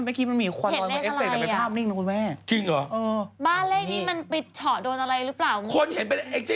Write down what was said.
บ้าเลขนี้มันปิดฉ่อโดนอะไรรึเปล่า